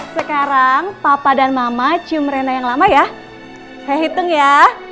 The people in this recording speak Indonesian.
sekarang papa dan mama cium rena yang lama ya saya hitung ya satu ratus dua puluh tiga